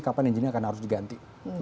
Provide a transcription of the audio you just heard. kapan engine nya akan harus diganti